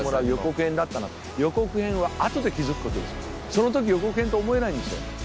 その時予告編と思えないんですよ。